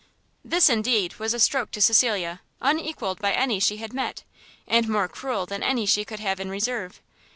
This, indeed, was a stroke to Cecilia unequalled by any she had met, and more cruel than any she could have in reserve.